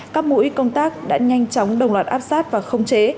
các mũi công tác đã nhanh chóng đồng loạt áp sát và khống chế